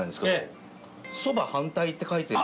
「そば反対」って書いてる。